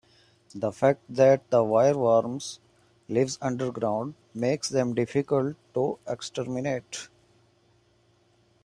The fact that the wireworm lives underground makes them difficult to exterminate.